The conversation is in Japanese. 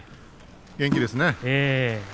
元気ですね。